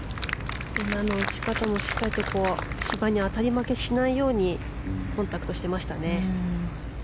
今の打ち方もしっかりと芝に当たり負けしないようにコンタクトしてましたね。